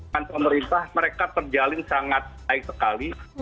dan pemerintah mereka terjalin sangat baik sekali